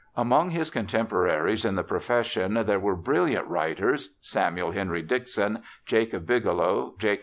Among his contemporaries in the profession there were brilliant writers — Samuel Henry Dickson, Jacob Bigelow, J.